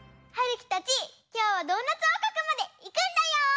きょうはドーナツおうこくまでいくんだよ！